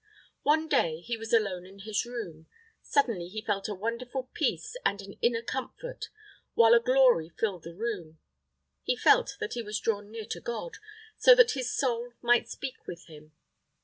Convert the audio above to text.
One day, he was alone in his room. Suddenly he felt a wonderful peace and an "inner comfort," while a glory filled the room. He felt that he was drawn near to God, so that his soul might speak with him.